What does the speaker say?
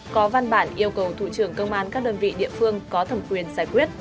có văn bản yêu cầu thủ trưởng công an các đơn vị địa phương có thẩm quyền giải quyết